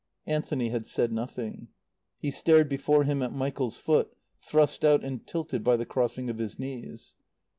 Anthony had said nothing. He stared before him at Michael's foot, thrust out and tilted by the crossing of his knees.